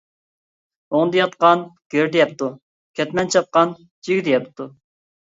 ئوڭدا ياتقان گىردە يەپتۇ، كەتمەن چاپقان جىگدە يەپتۇ.